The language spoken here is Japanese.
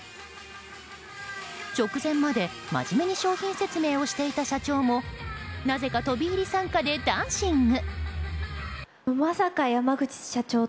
直前まで真面目に商品説明をしていた社長もなぜか飛び入り参加でダンシング。